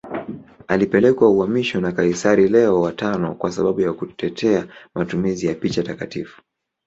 Alipelekwa uhamishoni na kaisari Leo V kwa sababu ya kutetea matumizi ya picha takatifu.